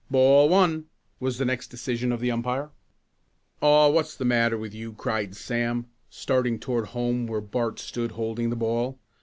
"Ball one," was the next decision of the umpire. "Aw what's the matter with you?" cried Sam, starting toward home where Bart stood holding the ball.